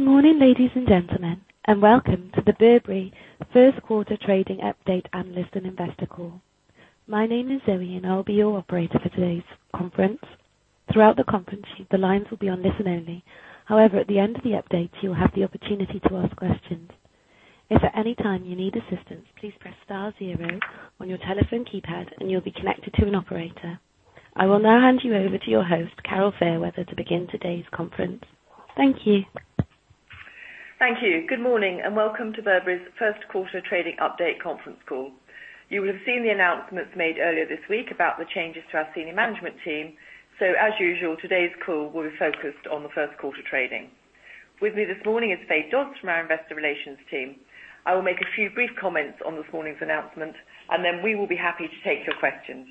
Good morning, ladies and gentlemen, welcome to the Burberry first quarter trading update analyst and investor call. My name is Zoe, and I'll be your operator for today's conference. Throughout the conference, the lines will be on listen only. However, at the end of the update, you'll have the opportunity to ask questions. If at any time you need assistance, please press star zero on your telephone keypad and you'll be connected to an operator. I will now hand you over to your host, Carol Fairweather, to begin today's conference. Thank you. Thank you. Good morning and welcome to Burberry's first quarter trading update conference call. You will have seen the announcements made earlier this week about the changes to our senior management team. As usual, today's call will be focused on the first quarter trading. With me this morning is Fay Dodds from our investor relations team. I will make a few brief comments on this morning's announcement, we will be happy to take your questions.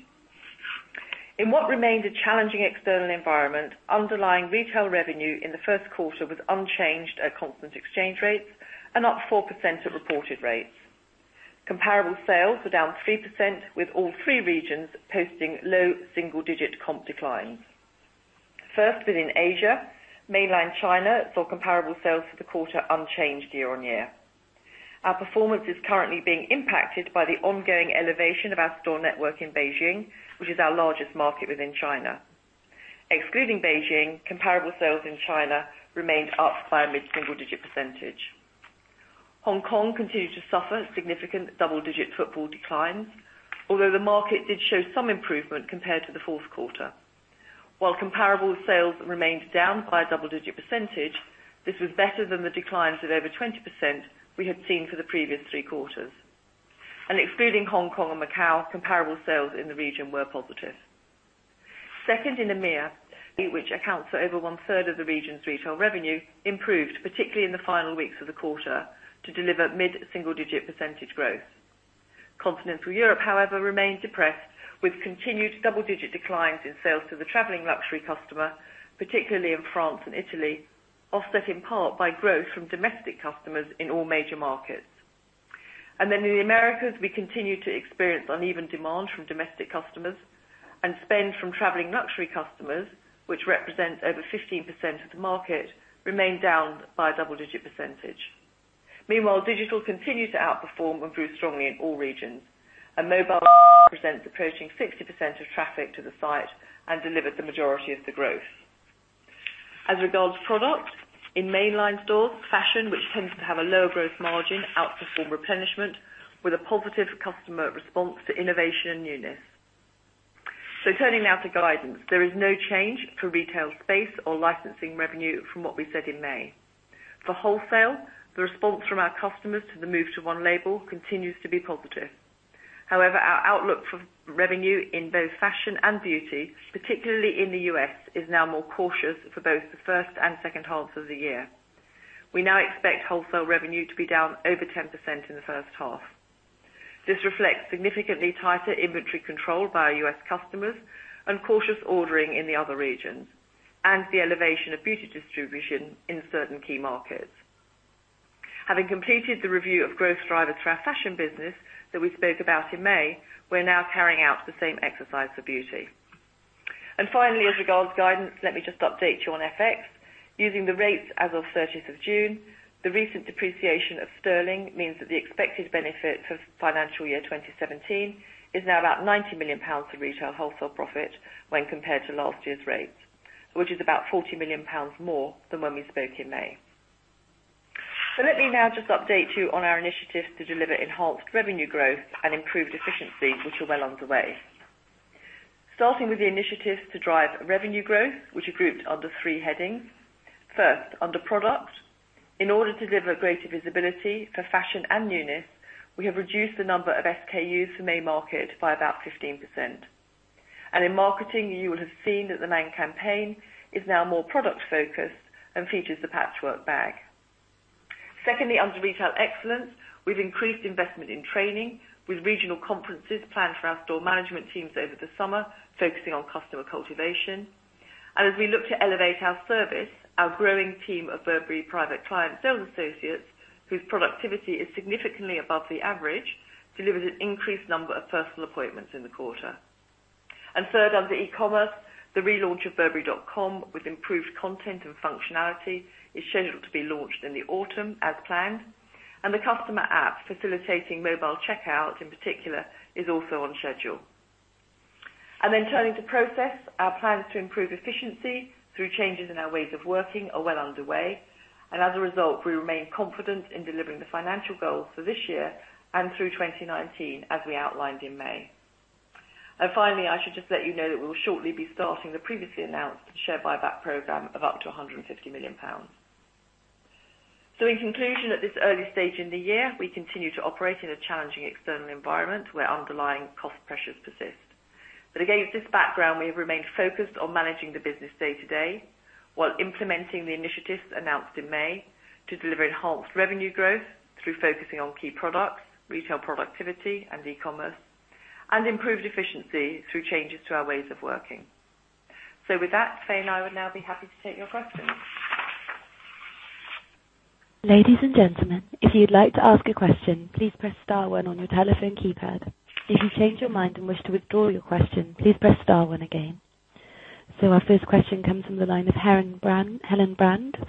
In what remains a challenging external environment, underlying retail revenue in the first quarter was unchanged at constant exchange rates and up 4% at reported rates. Comparable sales were down 3%, with all three regions posting low single-digit comp declines. First, within Asia, Mainland China saw comparable sales for the quarter unchanged year-on-year. Our performance is currently being impacted by the ongoing elevation of our store network in Beijing, which is our largest market within China. Excluding Beijing, comparable sales in China remained up by a mid-single digit percentage. Hong Kong continued to suffer significant double-digit footfall declines. Although the market did show some improvement compared to the fourth quarter. While comparable sales remained down by a double-digit percentage, this was better than the declines of over 20% we had seen for the previous three quarters. Excluding Hong Kong and Macau, comparable sales in the region were positive. Second in EMEA, which accounts for over one-third of the region's retail revenue, improved, particularly in the final weeks of the quarter, to deliver mid-single digit percentage growth. Continental Europe, however, remained depressed, with continued double-digit declines in sales to the traveling luxury customer, particularly in France and Italy, offset in part by growth from domestic customers in all major markets. In the Americas, we continue to experience uneven demand from domestic customers, and spend from traveling luxury customers, which represent over 15% of the market, remained down by a double-digit percentage. Meanwhile, digital continued to outperform and grew strongly in all regions, and mobile represents approaching 60% of traffic to the site and delivers the majority of the growth. As regards product, in mainline stores, fashion, which tends to have a lower gross margin, outperformed replenishment with a positive customer response to innovation and newness. Turning now to guidance. There is no change for retail space or licensing revenue from what we said in May. Our outlook for revenue in both fashion and beauty, particularly in the U.S., is now more cautious for both the first and second halves of the year. We now expect wholesale revenue to be down over 10% in the first half. This reflects significantly tighter inventory control by our U.S. customers and cautious ordering in the other regions, and the elevation of beauty distribution in certain key markets. Having completed the review of growth drivers for our fashion business that we spoke about in May, we are now carrying out the same exercise for beauty. Finally, as regards guidance, let me just update you on FX. Using the rates as of 30th of June, the recent depreciation of GBP means that the expected benefit for financial year 2017 is now about 90 million pounds to retail wholesale profit when compared to last year's rates, which is about 40 million pounds more than when we spoke in May. Let me now just update you on our initiatives to deliver enhanced revenue growth and improved efficiency, which are well underway. Starting with the initiatives to drive revenue growth, which are grouped under three headings. First, under product. In order to deliver greater visibility for fashion and newness, we have reduced the number of SKUs for main market by about 15%. In marketing, you will have seen that the main campaign is now more product-focused and features The Patchwork bag. Secondly, under retail excellence, we have increased investment in training with regional conferences planned for our store management teams over the summer, focusing on customer cultivation. As we look to elevate our service, our growing team of Burberry private client sales associates, whose productivity is significantly above the average, delivered an increased number of personal appointments in the quarter. Third, under e-commerce, the relaunch of burberry.com with improved content and functionality is scheduled to be launched in the autumn as planned, and the customer app facilitating mobile checkout in particular is also on schedule. Turning to process, our plans to improve efficiency through changes in our ways of working are well underway. As a result, we remain confident in delivering the financial goals for this year and through 2019, as we outlined in May. Finally, I should just let you know that we will shortly be starting the previously announced share buyback program of up to 150 million pounds. In conclusion, at this early stage in the year, we continue to operate in a challenging external environment where underlying cost pressures persist. Against this background, we have remained focused on managing the business day-to-day, while implementing the initiatives announced in May to deliver enhanced revenue growth through focusing on key products, retail productivity, and e-commerce, and improved efficiency through changes to our ways of working. With that, Fay and I would now be happy to take your questions. Ladies and gentlemen, if you'd like to ask a question, please press star one on your telephone keypad. If you change your mind and wish to withdraw your question, please press star one again. Our first question comes from the line of Helen Brand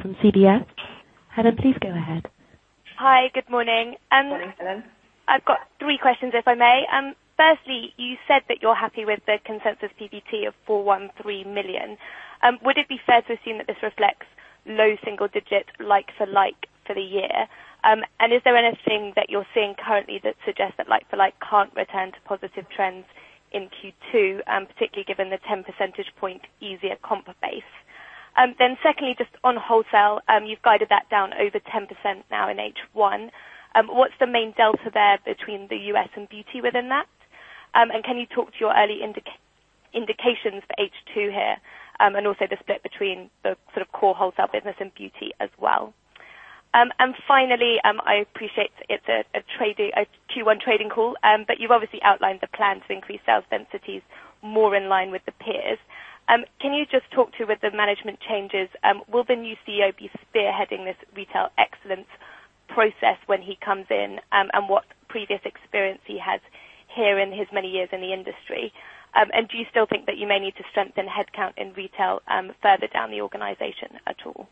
from HSBC. Helen, please go ahead. Hi. Good morning. Morning, Helen. I've got three questions, if I may. Firstly, you said that you're happy with the consensus PBT of 413 million. Would it be fair to assume that this reflects low single digits like for like for the year? Is there anything that you're seeing currently that suggests that like for like can't return to positive trends in Q2, particularly given the 10 percentage point easier comp base. Secondly, just on wholesale, you've guided that down over 10% now in H1. What's the main delta there between the U.S. and beauty within that? Can you talk to your early indications for H2 here? Also the split between the sort of core wholesale business and beauty as well. Finally, I appreciate it's a Q1 trading call, but you've obviously outlined the plan to increase sales densities more in line with the peers. Can you just talk to, with the management changes, will the new CEO be spearheading this retail excellence process when he comes in, and what previous experience he has here in his many years in the industry? Do you still think that you may need to strengthen headcount in retail further down the organization at all?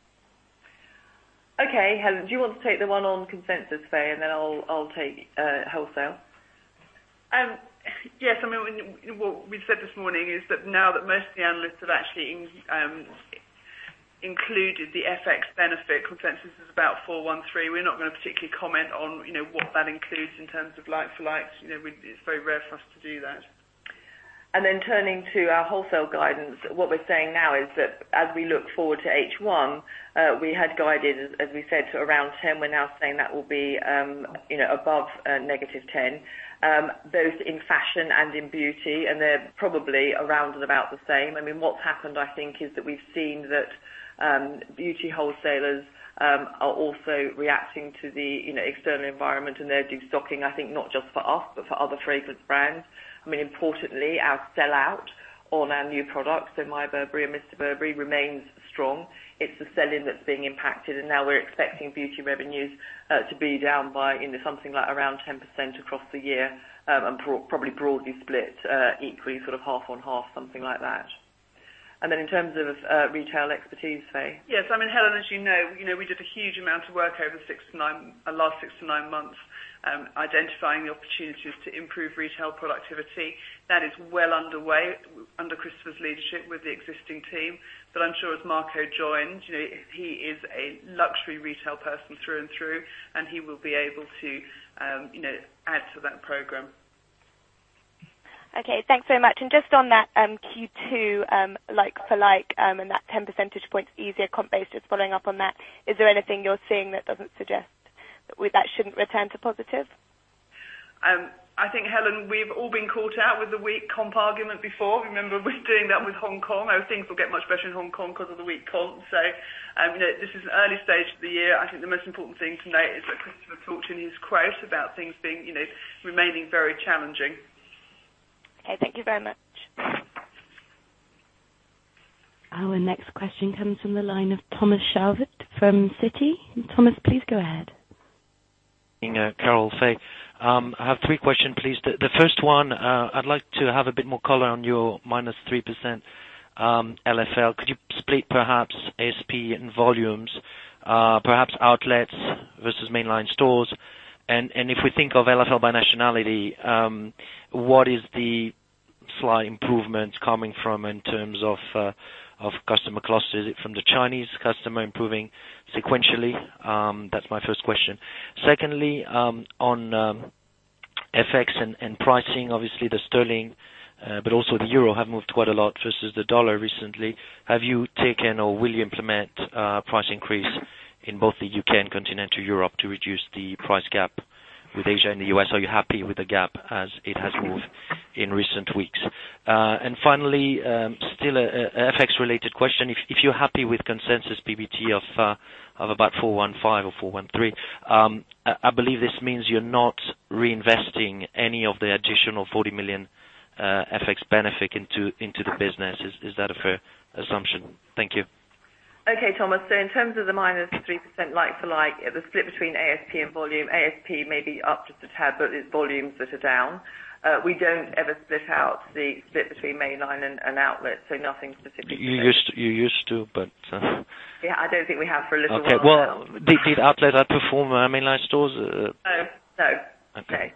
Okay. Helen, do you want to take the one on consensus, Faye, and then I'll take wholesale. Yes. What we said this morning is that now that most of the analysts have actually included the FX benefit consensus is about 413 million. We're not going to particularly comment on what that includes in terms of like for likes. It's very rare for us to do that. Turning to our wholesale guidance. What we're saying now is that as we look forward to H1, we had guided, as we said, to around 10%. We're now saying that will be above -10%, both in fashion and in beauty, and they're probably around and about the same. What's happened, I think, is that we've seen that beauty wholesalers are also reacting to the external environment, and they're destocking, I think, not just for us, but for other fragrance brands. Importantly, our sell-out on our new products, so My Burberry and Mr. Burberry remains strong. It's the sell-in that's being impacted, now we're expecting beauty revenues to be down by something like around 10% across the year, and probably broadly split equally, sort of half on half, something like that. In terms of retail expertise, Faye. Yes. Helen, as you know, we did a huge amount of work over the last six to nine months identifying the opportunities to improve retail productivity. That is well underway under Christopher's leadership with the existing team. I'm sure as Marco joined, he is a luxury retail person through and through, and he will be able to add to that program. Okay, thanks very much. Just on that Q2 like for like, and that 10 percentage points easier comp base, just following up on that, is there anything you're seeing that doesn't suggest that shouldn't return to positive? I think, Helen, we've all been caught out with the weak comp argument before. Remember we were doing that with Hong Kong. How things will get much better in Hong Kong because of the weak comps. This is an early stage of the year. I think the most important thing to note is that Christopher talked in his quote about things remaining very challenging. Okay. Thank you very much. Our next question comes from the line of Thomas Chauvet from Citi. Thomas, please go ahead. Good morning, Carol, Faye. I have three question, please. The first one, I'd like to have a bit more color on your -3% LFL. Could you split perhaps ASP and volumes, perhaps outlets versus mainline stores? If we think of LFL by nationality, what is the slight improvements coming from in terms of customer clusters? Is it from the Chinese customer improving sequentially? That's my first question. Secondly, on FX and pricing. Obviously, the GBP, but also the EUR have moved quite a lot versus the USD recently. Have you taken or will you implement a price increase in both the U.K. and continental Europe to reduce the price gap with Asia and the U.S.? Are you happy with the gap as it has moved in recent weeks? Finally, still a FX related question. If you're happy with consensus PBT of about 415 or 413, I believe this means you're not reinvesting any of the additional 40 million FX benefit into the business. Is that a fair assumption? Thank you. Okay, Thomas. In terms of the -3% like for like, the split between ASP and volume, ASP may be up just a tad, but it's volumes that are down. We don't ever split out the split between mainline and outlet, nothing specifically. You used to. Yeah, I don't think we have for a little while now. Okay. Well, did outlet outperform mainline stores? No. Okay.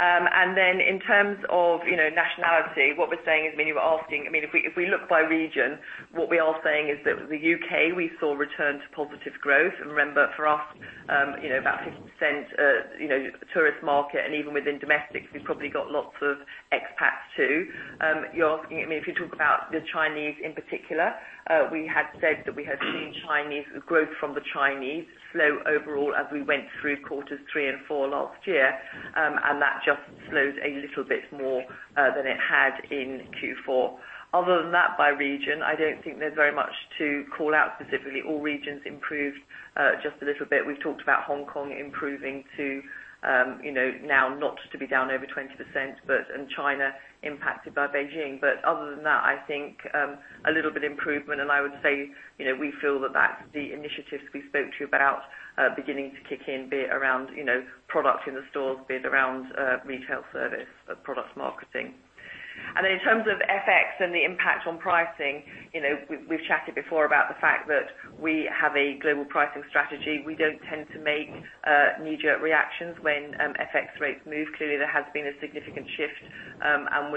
In terms of nationality, what we're saying is, you were asking, if we look by region, what we are saying is that the U.K., we saw return to positive growth. And remember, for us, about 50% tourist market, and even within domestic, we've probably got lots of expats too. If you talk about the Chinese in particular, we had said that we had seen growth from the Chinese slow overall as we went through quarters three and four last year, and that just slows a little bit more than it had in Q4. Other than that, by region, I don't think there's very much to call out specifically. All regions improved just a little bit. We've talked about Hong Kong improving to now not to be down over 20%, and China impacted by Beijing. Other than that, I think, a little bit improvement. I would say we feel that that's the initiatives we spoke to about beginning to kick in, be it around product in the stores, be it around retail service, product marketing. In terms of FX and the impact on pricing, we've chatted before about the fact that we have a global pricing strategy. We don't tend to make knee-jerk reactions when FX rates move. Clearly, there has been a significant shift.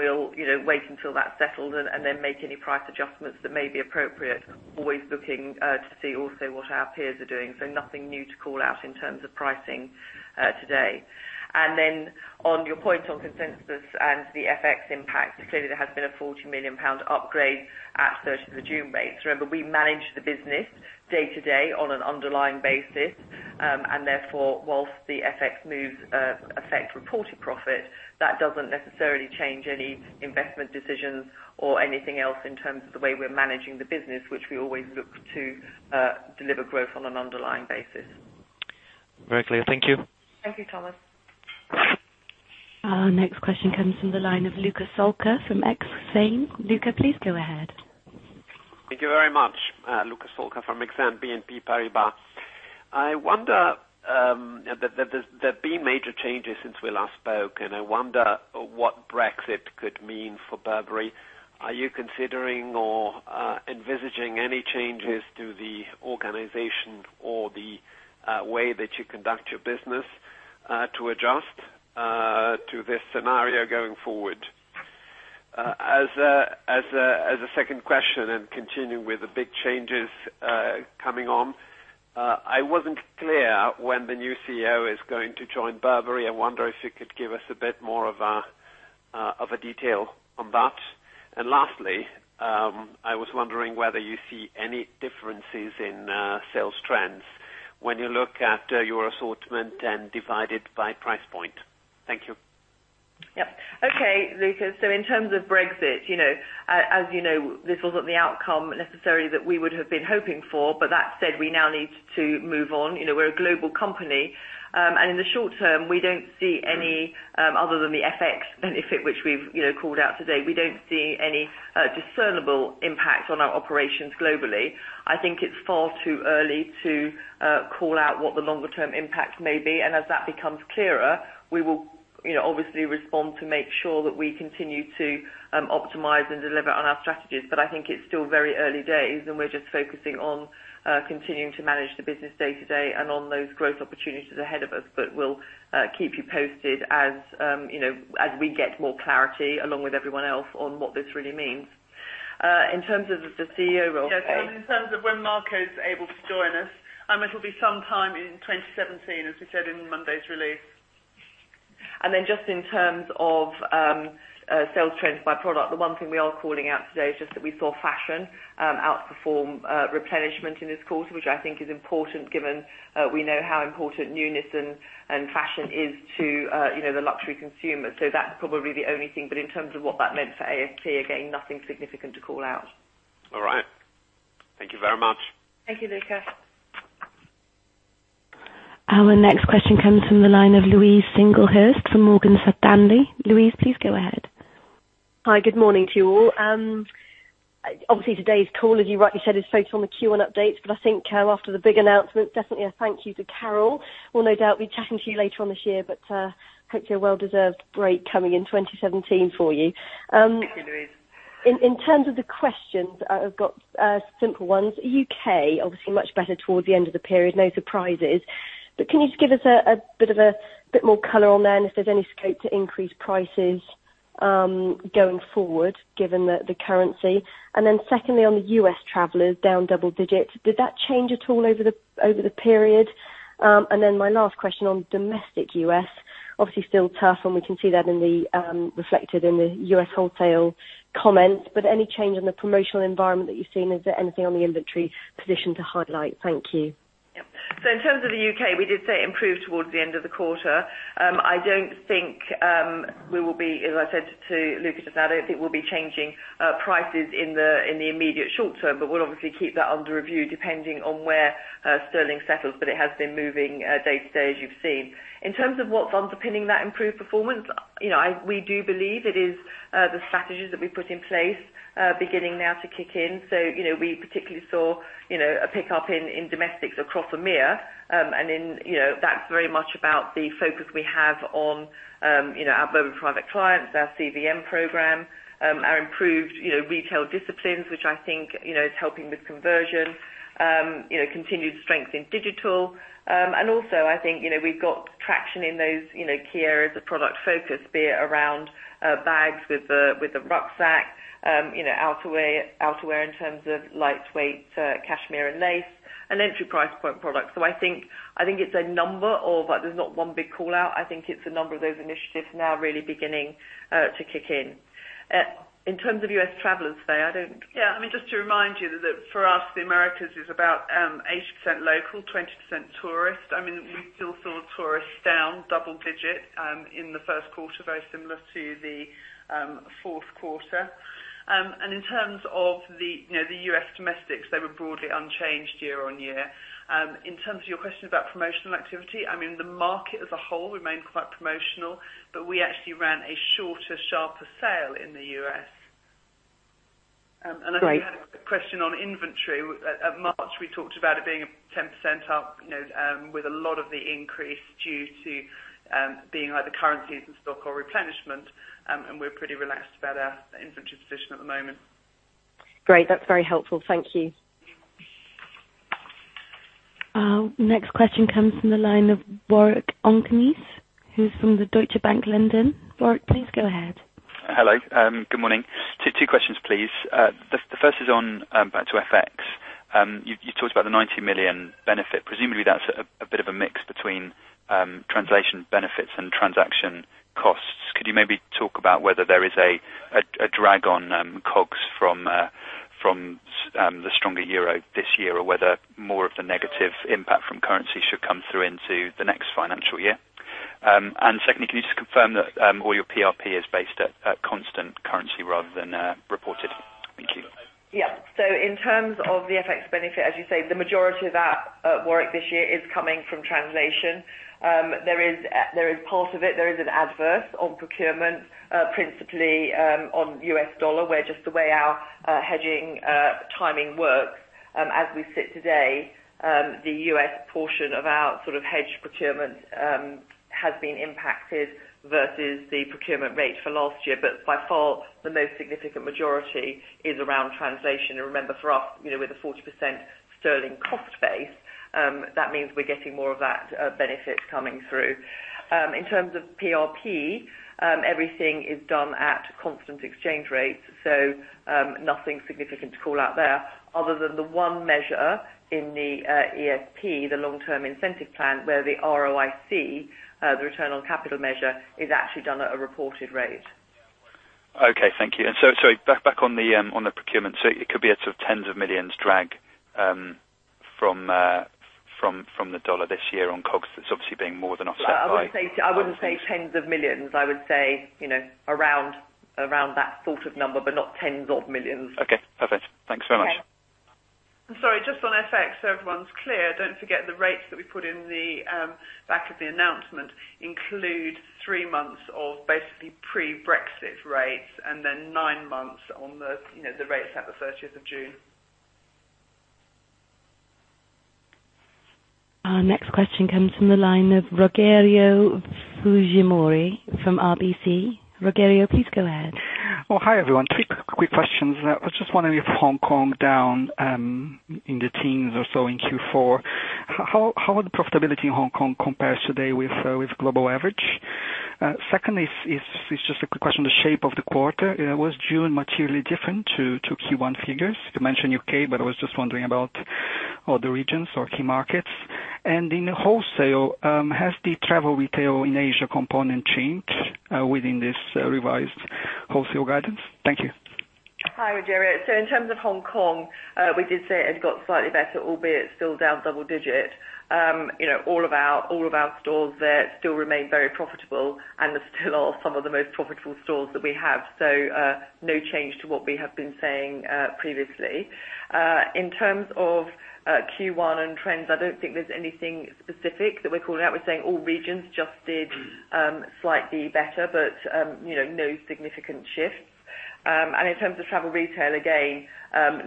We'll wait until that's settled and then make any price adjustments that may be appropriate. Always looking to see also what our peers are doing. Nothing new to call out in terms of pricing today. On your point on consensus and the FX impact, clearly there has been a 40 million pound upgrade as of the June rates. Remember, we manage the business day-to-day on an underlying basis. Therefore, whilst the FX moves affect reported profit, that doesn't necessarily change any investment decisions or anything else in terms of the way we're managing the business, which we always look to deliver growth on an underlying basis. Very clear. Thank you. Thank you, Thomas Chauvet. Our next question comes from the line of Luca Solca from Exane. Luca, please go ahead. Thank you very much. Luca Solca from Exane BNP Paribas. There have been major changes since we last spoke, and I wonder what Brexit could mean for Burberry. Are you considering or envisaging any changes to the organization or the way that you conduct your business to adjust to this scenario going forward? As a second question, continuing with the big changes coming on, I wasn't clear when the new CEO is going to join Burberry. I wonder if you could give us a bit more of a detail on that. Lastly, I was wondering whether you see any differences in sales trends when you look at your assortment and divide it by price point. Thank you. Yep. Okay, Luca. In terms of Brexit, as you know, this wasn't the outcome necessarily that we would have been hoping for, but that said, we now need to move on. We're a global company, and in the short term, we don't see any other than the FX benefit which we've called out today. We don't see any discernible impact on our operations globally. I think it's far too early to call out what the longer-term impact may be, and as that becomes clearer, we will obviously respond to make sure that we continue to optimize and deliver on our strategies. I think it's still very early days, and we're just focusing on continuing to manage the business day-to-day and on those growth opportunities ahead of us. We'll keep you posted as we get more clarity along with everyone else on what this really means. In terms of the CEO role. Yes. In terms of when Marco's able to join us, it'll be sometime in 2017, as we said in Monday's release. Just in terms of sales trends by product, the one thing we are calling out today is just that we saw fashion outperform replenishment in this quarter, which I think is important given we know how important newness and fashion is to the luxury consumer. That's probably the only thing. In terms of what that meant for AFG, again, nothing significant to call out. All right. Thank you very much. Thank you, Luca. Our next question comes from the line of Louise Singlehurst from Morgan Stanley. Louise, please go ahead. Hi, good morning to you all. Obviously, today's call as you rightly said, is focused on the Q1 updates, but I think after the big announcement, definitely a thank you to Carol. We'll no doubt be chatting to you later on this year, but hope a well-deserved break coming in 2017 for you. Thank you, Louise. In terms of the questions, I've got simple ones. U.K., obviously much better towards the end of the period, no surprises. Can you just give us a bit more color on there and if there's any scope to increase prices going forward given the currency? Secondly, on the U.S. travelers down double digits, did that change at all over the period? My last question on domestic U.S., obviously still tough, and we can see that reflected in the U.S. wholesale comments. Any change in the promotional environment that you've seen? Is there anything on the inventory position to highlight? Thank you. In terms of the U.K., we did say improve towards the end of the quarter. As I said to Luca just now, I don't think we'll be changing prices in the immediate short term. We'll obviously keep that under review depending on where sterling settles. It has been moving day-to-day, as you've seen. In terms of what's underpinning that improved performance, we do believe it is the strategies that we've put in place beginning now to kick in. We particularly saw a pickup in domestics across EMEA. That's very much about the focus we have on our private clients, our CVM program, our improved retail disciplines, which I think is helping with conversion. Continued strength in digital. Also, I think we've got traction in those key areas of product focus, be it around bags with The Rucksack, outerwear in terms of lightweight cashmere and lace, and entry price point products. I think it's a number of, but there's not one big call-out. I think it's a number of those initiatives now really beginning to kick in. In terms of U.S. travelers, Faye. Just to remind you that for us, the Americas is about 80% local, 20% tourist. We still saw tourists down double digit in the first quarter, very similar to the fourth quarter. In terms of the U.S. domestics, they were broadly unchanged year-over-year. In terms of your question about promotional activity, the market as a whole remained quite promotional, but we actually ran a shorter, sharper sale in the U.S. I think you had a question on inventory. At March, we talked about it being 10% up, with a lot of the increase due to being either currencies in stock or replenishment, and we're pretty relaxed about our inventory position at the moment. Great. That's very helpful. Thank you. Next question comes from the line of Warwick Okines, who's from the Deutsche Bank, London. Warwick, please go ahead. Hello. Good morning. Two questions, please. The first is on back to FX. You talked about the 90 million benefit, presumably that's a bit of a mix between translation benefits and transaction costs. Could you maybe talk about whether there is a drag on COGS from the stronger euro this year or whether more of the negative impact from currency should come through into the next financial year? Secondly, can you just confirm that all your PRP is based at constant currency rather than reported? Thank you. In terms of the FX benefit, as you say, the majority of that, Warwick, this year is coming from translation. There is part of it, there is an adverse on procurement, principally, on U.S. dollar, where just the way our hedging timing works, as we sit today, the U.S. portion of our sort of hedged procurement has been impacted versus the procurement rate for last year. By far the most significant majority is around translation. Remember for us, with a 40% sterling cost base, that means we're getting more of that benefit coming through. In terms of PRP, everything is done at constant exchange rates, nothing significant to call out there other than the one measure in the SIP, the long-term incentive plan, where the ROIC, the return on capital measure, is actually done at a reported rate. Okay, thank you. Back on the procurement. It could be a sort of tens of millions drag from the dollar this year on COGS that's obviously being more than offset by- I wouldn't say tens of millions. I would say around that sort of number, not tens of millions. Okay, perfect. Thanks so much. Sorry, just on FX, so everyone is clear, don't forget the rates that we put in the back of the announcement include three months of basically pre-Brexit rates and then nine months on the rates at the 30th of June. Our next question comes from the line of Rogério Fujimori from RBC. Rogério, please go ahead. Hi, everyone. Three quick questions. I was just wondering if Hong Kong down in the teens or so in Q4, how would the profitability in Hong Kong compares today with global average? Secondly, it's just a quick question on the shape of the quarter. Was June materially different to Q1 figures? You mentioned U.K., but I was just wondering about other regions or key markets. In the wholesale, has the travel retail in Asia component changed within this revised wholesale guidance? Thank you. Hi, Rogério. In terms of Hong Kong, we did say it had got slightly better, albeit still down double digit. All of our stores there still remain very profitable and they still are some of the most profitable stores that we have. No change to what we have been saying previously. In terms of Q1 and trends, I don't think there's anything specific that we're calling out. We're saying all regions just did slightly better, no significant shifts. In terms of travel retail, again,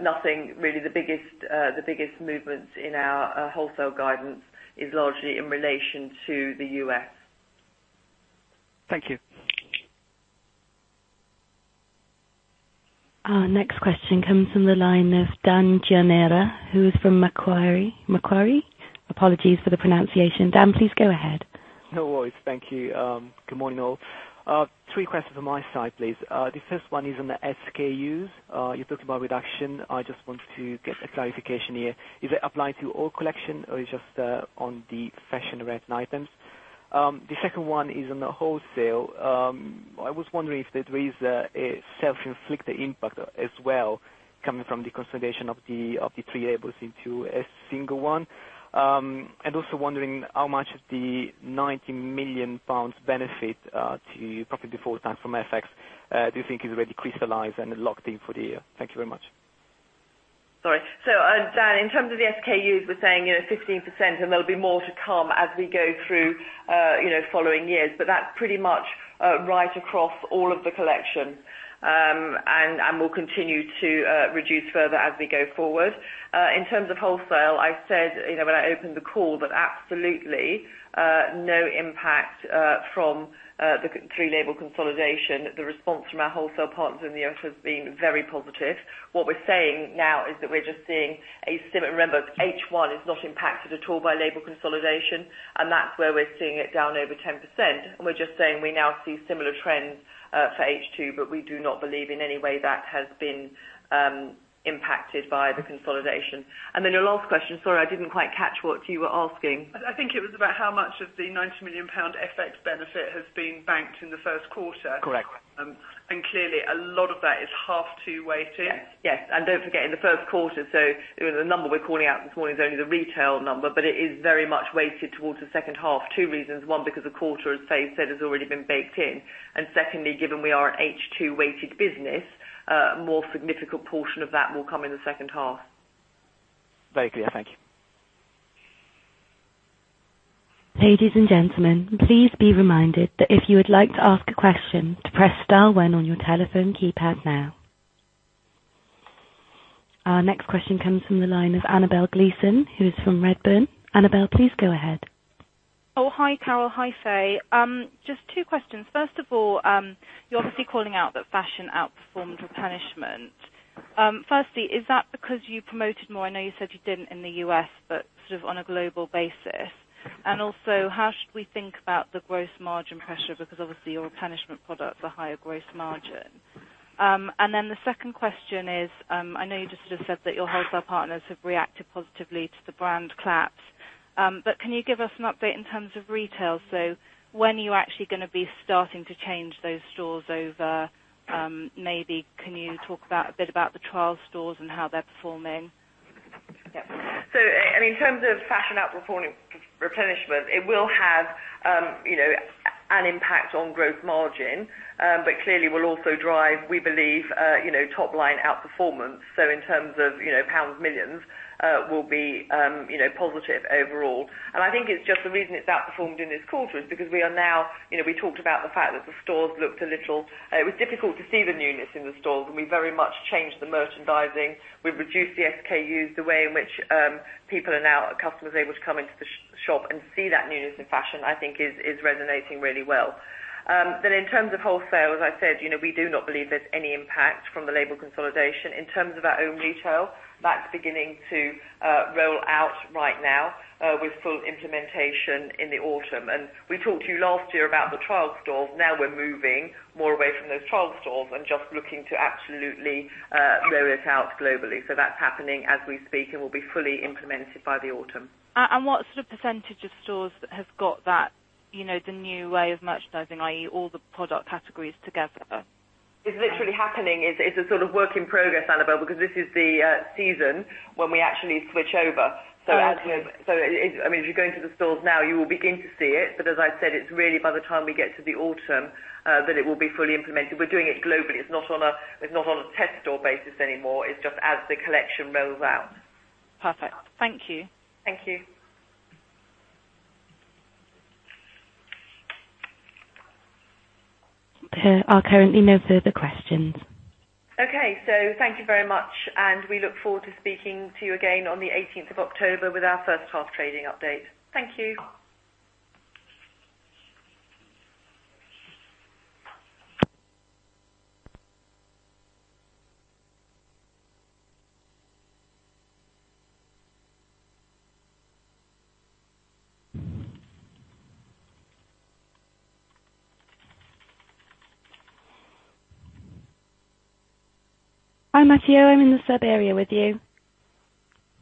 nothing really. The biggest movements in our wholesale guidance is largely in relation to the U.S. Thank you. Our next question comes from the line of Daniele Gianera, who is from Macquarie. Apologies for the pronunciation. Dan, please go ahead. No worries. Thank you. Good morning, all. Three questions from my side, please. The first one is on the SKUs. You talked about reduction. I just wanted to get a clarification here. Is it applying to all collection or it is just on the fashion-led items? The second one is on the wholesale. I was wondering if there is a self-inflicted impact as well, coming from the consolidation of the three labels into a single one. Also wondering how much of the 90 million pounds benefit to profit before tax from FX do you think is already crystallized and locked in for the year. Thank you very much. Sorry. Dan, in terms of the SKUs, we are saying 15% and there will be more to come as we go through following years, but that is pretty much right across all of the collection, and will continue to reduce further as we go forward. In terms of wholesale, I said when I opened the call that absolutely no impact from the three label consolidation. The response from our wholesale partners in the has been very positive. What we are saying now is that we are just seeing, remember, H1 is not impacted at all by label consolidation, and that is where we are seeing it down over 10%. We are just saying we now see similar trends for H2, but we do not believe in any way that has been impacted by the consolidation. Then your last question, sorry, I did not quite catch what you were asking. I think it was about how much of the 90 million pound FX benefit has been banked in the first quarter. Correct. Clearly a lot of that is half 2 weighting. Yes. Don't forget in the first quarter, the number we're calling out this morning is only the retail number, it is very much weighted towards the second half. Two reasons, one, because the quarter, as Faye said, has already been baked in. Secondly, given we are an H2-weighted business, a more significant portion of that will come in the second half. Very clear. Thank you. Ladies and gentlemen, please be reminded that if you would like to ask a question to press dial one on your telephone keypad now. Our next question comes from the line of Annabel Gleeson, who is from Redburn. Annabel, please go ahead. Hi, Carol. Hi, Faye. Just two questions. First of all, you're obviously calling out that fashion outperformed replenishment. Firstly, is that because you promoted more? I know you said you didn't in the U.S., but sort of on a global basis. How should we think about the gross margin pressure? Your replenishment products are higher gross margin. The second question is, I know you just said that your wholesale partners have reacted positively to the label consolidation. Can you give us an update in terms of retail? When are you actually going to be starting to change those stores over? Maybe can you talk a bit about the trial stores and how they're performing? In terms of fashion outperforming replenishment, it will have an impact on gross margin. Clearly will also drive, we believe, top-line outperformance. In terms of pounds millions, will be positive overall. I think it's just the reason it's outperformed in this quarter is because we talked about the fact that the stores looked a little, it was difficult to see the newness in the stores, and we very much changed the merchandising. We've reduced the SKUs. The way in which people are now, customers are able to come into the shop and see that newness in fashion, I think is resonating really well. In terms of wholesale, as I said, we do not believe there's any impact from the label consolidation. In terms of our own retail, that's beginning to roll out right now with full implementation in the autumn. We talked to you last year about the trial stores. We're moving more away from those trial stores and just looking to absolutely roll it out globally. That's happening as we speak and will be fully implemented by the autumn. What sort of percentage of stores have got that, the new way of merchandising, i.e., all the product categories together? It's literally happening. It's a sort of work in progress, Annabel, because this is the season when we actually switch over. Okay. If you go into the stores now, you will begin to see it. As I said, it's really by the time we get to the autumn that it will be fully implemented. We're doing it globally. It's not on a test store basis anymore. It's just as the collection rolls out. Perfect. Thank you. Thank you. There are currently no further questions. Okay, thank you very much, and we look forward to speaking to you again on the eighteenth of October with our first half trading update. Thank you.